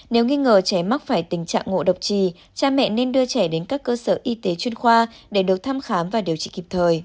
nếu nghi ngờ trẻ mắc phải tình trạng ngộ độc trì cha mẹ nên đưa trẻ đến các cơ sở y tế chuyên khoa để được thăm khám và điều trị kịp thời